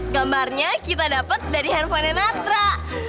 gambarnya kita dapat dari handphonenya natra